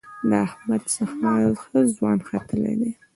له احمد څخه ښه ځوان ختلی دی.